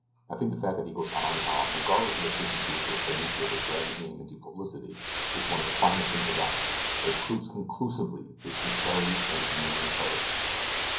I think the fact that he goes on and on regardless of the frequency with which the newspapers drag his name into publicity is one of the finest things about him—it proves conclusively his sincerity and his manly courage."